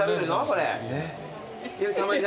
これ。